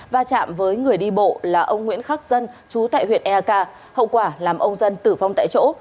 và chạm với người đi bộ là ông nguyễn khắc dân chú tại huyện ea k hậu quả làm ông dân tử vong tại chỗ